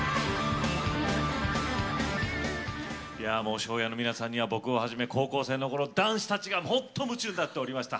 ＳＨＯＷ‐ＹＡの皆さんには僕をはじめ高校生のころ、男子たちが本当に夢中になっておりました。